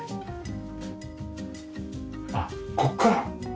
あっここから。